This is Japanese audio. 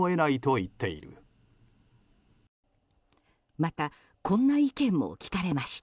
また、こんな意見も聞かれました。